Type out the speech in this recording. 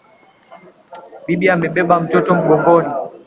Bibi amebeba mtoto mgongoni.